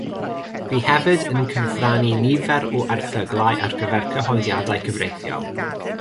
Bu hefyd yn cyfrannu nifer o erthyglau ar gyfer cyhoeddiadau cyfreithiol.